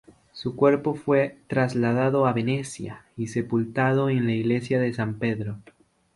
Su cuerpo fue trasladado a Venecia y sepultado en la iglesia de San Pedro.